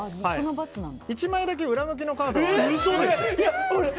１枚だけ裏向きのカードがあります。